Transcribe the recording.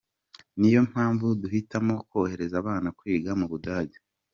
Ni yo mpamvu duhitamo kohereza abana kwiga mu Budage.